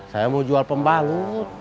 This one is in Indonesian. saya mau jual pembalut